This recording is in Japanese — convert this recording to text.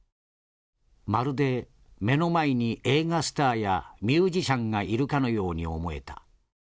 まるで目の前に映画スターやミュージシャンがいるかのように思えた。